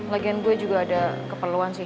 lagian gue juga ada keperluan sih